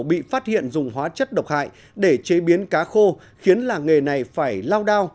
bị phát hiện dùng hóa chất độc hại để chế biến cá khô khiến làng nghề này phải lao đao